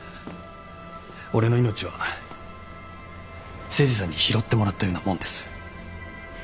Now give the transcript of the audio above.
俺の命は誠司さんに拾ってもらったようなもんです。